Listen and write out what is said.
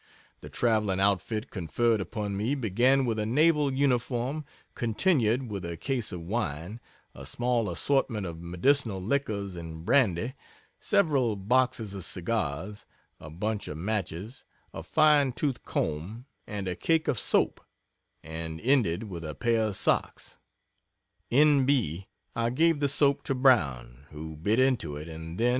The traveling outfit conferred upon me began with a naval uniform, continued with a case of wine, a small assortment of medicinal liquors and brandy, several boxes of cigars, a bunch of matches, a fine toothed comb, and a cake of soap, and ended with a pair of socks. (N. B. I gave the soap to Brown, who bit into it, and then.